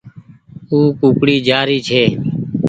او ڪوڪڙي جآري ڇي